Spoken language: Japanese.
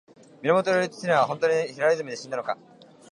源義経は本当に平泉で死んだのか